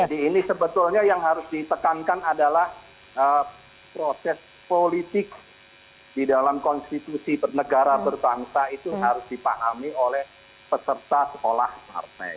jadi ini sebetulnya yang harus ditekankan adalah proses politik di dalam konstitusi negara bertangsa itu harus dipahami oleh peserta sekolah partai